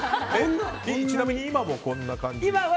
ちなみに今もこんな感じですか？